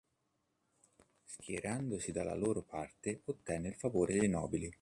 Schierandosi dalla loro parte, ottenne il favore dei nobili.